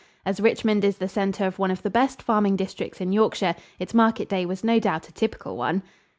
As Richmond is the center of one of the best farming districts in Yorkshire, its market day was no doubt a typical one.